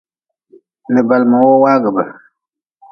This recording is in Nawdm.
Li balma wo waagʼbe.